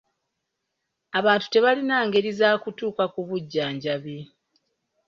Abantu tebalina ngeri za kutuuka ku bujjanjabi.